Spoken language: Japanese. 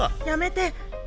やめて。